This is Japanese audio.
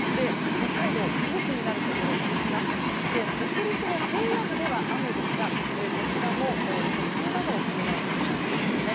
北陸の平野部では雨ですがこちらも突風などを伴うこともありそうですね。